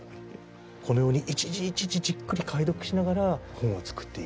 このように一字一字じっくり解読しながら本を作っていく。